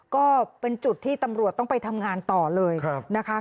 ก็เป็นจุดที่ตำรวจต้องไปทำงานต่อเลยนะคะ